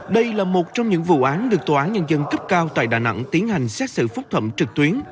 đây là một trong những vụ án được tòa án nhân dân cấp cao tại đà nẵng tiến hành xét xử phúc thẩm trực tuyến